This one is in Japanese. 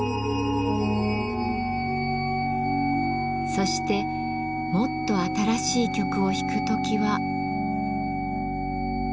そしてもっと新しい曲を弾く時は。